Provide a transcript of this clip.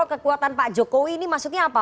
kekuatan pak jokowi ini maksudnya apa